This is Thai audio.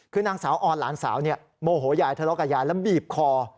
คือนางสาวออนหลานสาวโมโหยายทะเลาะกับยายแล้วบีบคอ